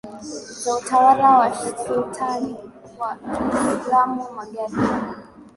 za utawala wa sultani wa Kiislamu Magharibi